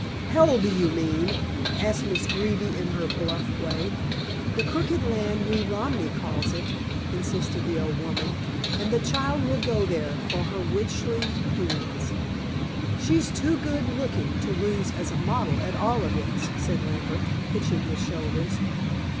"Hell, do you mean?" asked Miss Greeby in her bluff way. "The Crooked Land we Romany calls it," insisted the old woman. "And the child will go there, for her witchly doings." "She's too good looking to lose as a model, at all events," said Lambert, hitching his shoulders.